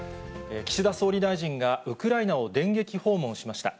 岸田総理大臣が、ウクライナを電撃訪問しました。